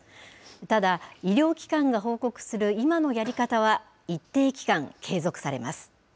ただ、医療機関が報告する今のやり方は一定期間、継続されます。